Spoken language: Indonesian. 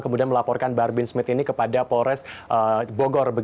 kemudian melaporkan bahar bin smith ini kepada polres bogor